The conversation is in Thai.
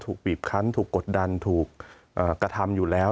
บีบคันถูกกดดันถูกกระทำอยู่แล้ว